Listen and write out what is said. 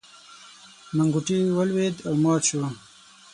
منګوټی ولوېد او مات شو.